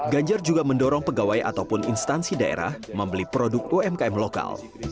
ganjar juga mendorong pegawai ataupun instansi daerah membeli produk umkm lokal